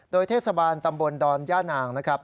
โดยเทศบาลตำบลดอนย่านางนะครับ